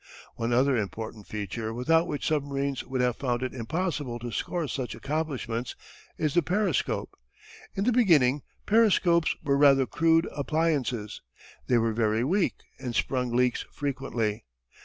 One other important feature without which submarines would have found it impossible to score such accomplishments is the periscope. In the beginning periscopes were rather crude appliances. They were very weak and sprung leaks frequently.